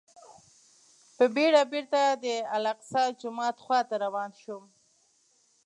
په بېړه بېرته د الاقصی جومات خواته روان شوم.